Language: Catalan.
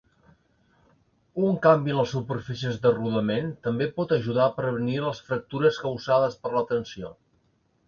Un canvi en les superfícies de rodament també pot ajudar a prevenir les fractures causades per la tensió.